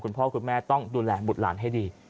คุณพ่อคุณแม่ต้องดูแลบุตรหลานให้ดี